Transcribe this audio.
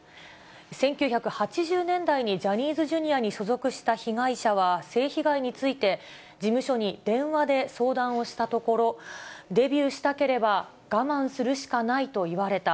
１９８０年代にジャニーズＪｒ．に所属した被害者は性被害について事務所に電話で相談をしたところ、デビューしたければ我慢するしかないと言われた。